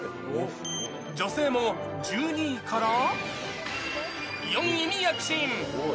女性も１２位から、４位に躍進。